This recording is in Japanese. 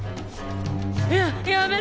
ややめろ！